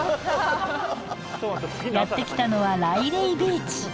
やって来たのはライレイビーチ。